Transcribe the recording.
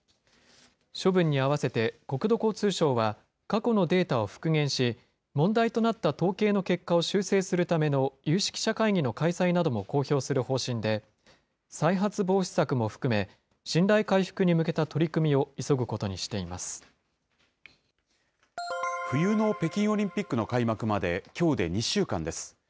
処分に合わせて、国土交通省は過去のデータを復元し、問題となった統計の結果を修正するための有識者会議の開催なども公表する方針で、再発防止策も含め、信頼回復に向けた取り組みを冬の北京オリンピックの開幕まで、きょうで２週間です。